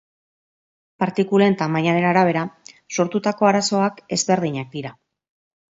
Partikulen tamainaren arabera, sortutako arazoak ezberdinak dira.